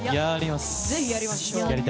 ぜひ、やりましょう。